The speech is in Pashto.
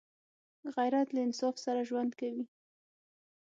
غیرت له انصاف سره ژوند کوي